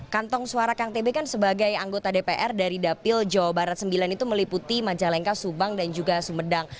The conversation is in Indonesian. kantong suara kang tb kan sebagai anggota dpr dari dapil jawa barat sembilan itu meliputi majalengka subang dan juga sumedang